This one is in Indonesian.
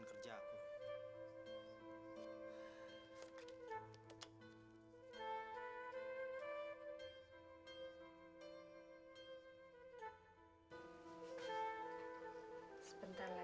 tidak ada yang bisa mengatakan kerja aku